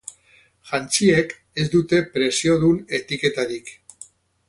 Jantziek ez dute preziodun etiketarik